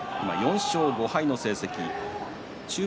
４勝５敗の成績です。